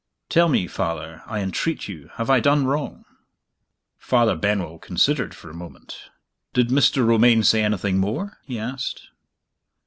Tell me Father, I entreat you, have I done wrong?" Father Benwell considered for a moment. "Did Mr. Romayne say anything more?" he asked.